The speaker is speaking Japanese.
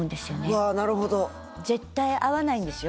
うわなるほど絶対会わないんですよ